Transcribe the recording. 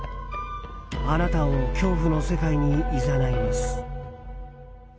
あなたを恐怖の世界に誘います。